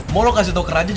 mau lo kasih tau ke raja